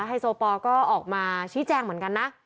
ไฮโซปอลก็ออกมาชี้แจงเหมือนกันนะ